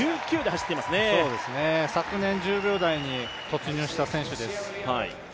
昨年１０秒台に突入した選手です。